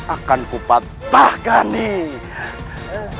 akan ku patahkan nih